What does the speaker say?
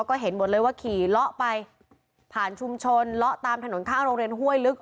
ก็เห็นหมดเลยว่าขี่เลาะไปผ่านชุมชนเลาะตามถนนข้างโรงเรียนห้วยลึก